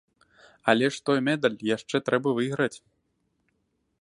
Але ж той медаль яшчэ трэба выйграць!